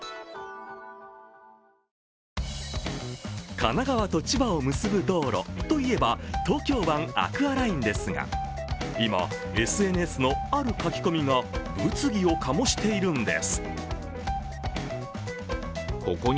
神奈川と千葉を結ぶ道路といえば東京湾アクアラインですが、今、ＳＮＳのある書き込みが物議を醸しているんです。